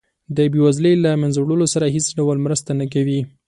د بیوزلۍ د له مینځه وړلو سره هیڅ ډول مرسته نه کوي.